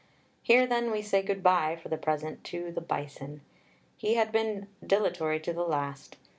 Here, then, we say good bye, for the present, to "the Bison." He had been dilatory to the last.